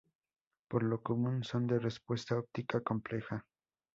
Por lo común son de respuesta óptica compleja.